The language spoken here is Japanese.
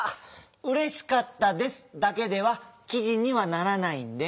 「うれしかったです」だけではきじにはならないんで。